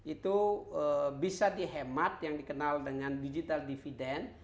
itu bisa dihemat yang dikenal dengan digital dividend